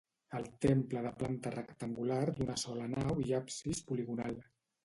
El temple de planta rectangular d'una sola nau i absis poligonal.